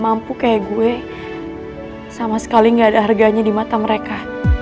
orang yang gak mampu kayak gue sama sekali gak ada harganya di mata mereka